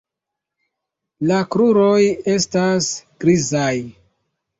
La kruroj estas grizaj.